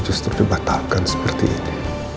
justru dibatalkan seperti ini